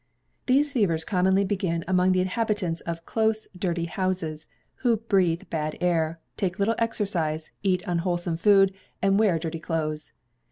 These fevers commonly begin among the inhabitants of close dirty houses, who breathe bad air, take little exercise, eat unwholesome food, and wear dirty clothes.